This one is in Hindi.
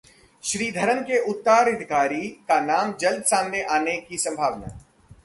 श्रीधरन के उत्तराधिकारी का नाम जल्द ही सामने आने की संभावना